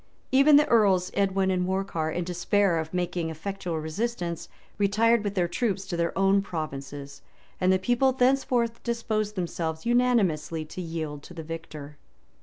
Even the Earls Edwin and Morcar, in despair of making effectual resistance, retired with their troops to their own provinces; and the people thenceforth disposed themselves unanimously to yield to the victor.